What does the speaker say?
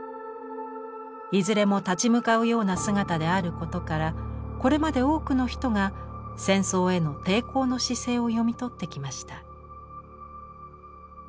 いずれも立ち向かうような姿であることからこれまで多くの人が戦争への抵抗の姿勢を読み取ってきました。